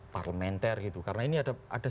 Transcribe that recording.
parlementer gitu karena ini ada